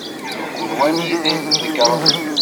Mkul wa anida i t-ḍegren.